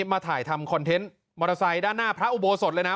มาถ่ายทำคอนเทนต์มอเตอร์ไซค์ด้านหน้าพระอุโบสถเลยนะ